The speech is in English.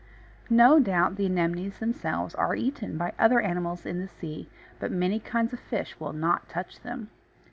No doubt the Anemones themselves are eaten by other animals in the sea, but many kinds of fish will not touch them.